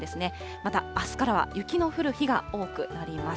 またあすからは雪の降る日が多くなります。